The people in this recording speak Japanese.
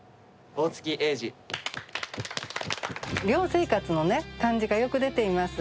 寮生活の感じがよく出ています。